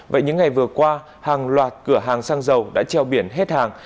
vậy những ngày vừa qua hàng loạt cửa hàng xăng dầu đã treo biển hết hàng